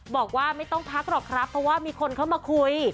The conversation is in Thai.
บอกว่าไม่ต้องพักหรอกครับเพราะว่ามีคนเข้ามาคุย